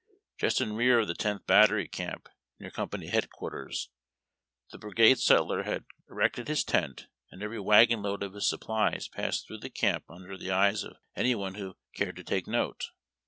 Just in rear of the Tenth Battery camp, near company headquarters, the brigade sutler had erected his tent, and every wagon load of his supplies passed through this camp under the eyes of any one who cared to take note.